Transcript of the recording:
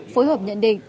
phối hợp nhận định